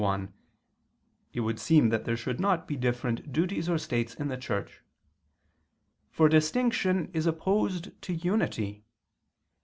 Objection 1: It would seem that there should not be different duties or states in the Church. For distinction is opposed to unity.